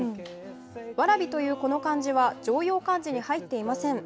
蕨というこの漢字は常用漢字に入っていません。